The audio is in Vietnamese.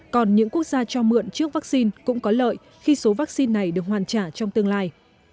còn những quốc gia cho mượn trước vaccine cũng có lợi khi số vaccine này được hoàn trả trong tương lai